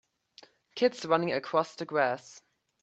Kids running across the grass.